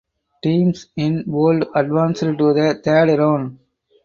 Teams in Bold advanced to the third round.